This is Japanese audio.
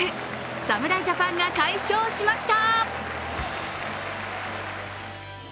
侍ジャパンが快勝しました。